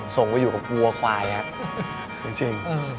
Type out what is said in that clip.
ส่งไปอยู่กับวัวควายคือจริง